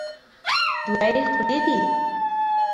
دوه یې خولې دي.